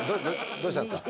どうしたんですか？